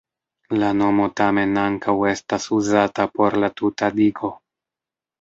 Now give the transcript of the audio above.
La nomo tamen ankaŭ estas uzata por la tuta digo.